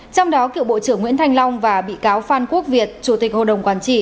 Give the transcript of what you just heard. trong đó cựu bộ trưởng nguyễn thanh long và bị cáo phan quốc việt chủ tịch hồ đồng quản trị